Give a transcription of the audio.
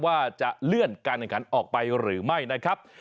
ว่าจะเลื่อนการแข่งขันออกไปหรือไม่นะครับ